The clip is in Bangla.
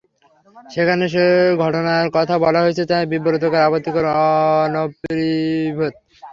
সেখানে যে ঘটনার কথা বলা হয়েছে তা বিব্রতকর, আপত্তিকর, অনভিপ্রেত।